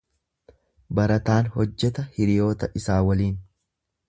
Barataan hojjeta hiriyoota isaa waliin.